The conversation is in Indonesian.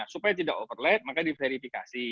supaya tidak overlap maka diverifikasi